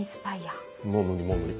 もう無理もう無理。